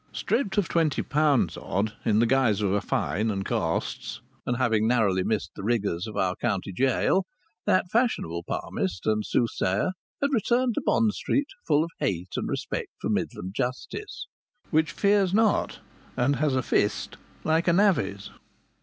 Stripped of twenty pounds odd in the guise of a fine and costs, and having narrowly missed the rigours of our county jail, that fashionable palmist and soothsayer had returned to Bond Street full of hate and respect for Midland justice, which fears not and has a fist like a navvy's.